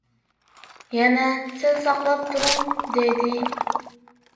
«يەنە سەل ساقلاپ تۇرۇڭ» دېدى.